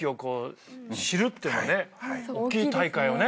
おっきい大会をね。